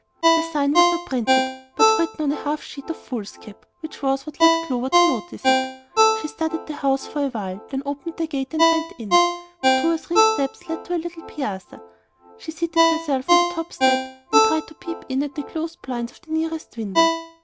The sign was not printed, but written on a half sheet of foolscap, which was what led Clover to notice it. She studied the house a while, then opened the gate, and went in. Two or three steps led to a little piazza. She seated herself on the top step, and tried to peep in at the closed blinds of the nearest window.